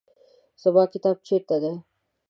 زما کتاب چیرته دی؟